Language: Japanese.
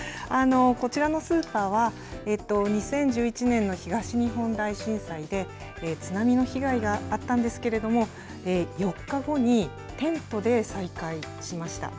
こちらのスーパーは、２０１１年の東日本大震災で、津波の被害があったんですけれども、４日後にテントで再開しました。